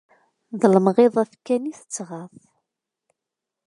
d lemɣiḍat kan i tt-tɣaḍ.